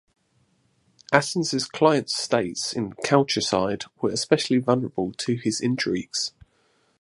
Athens' client states in Chalcidice were especially vulnerable to his intrigues.